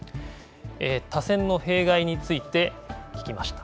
多選の弊害について、聞きました。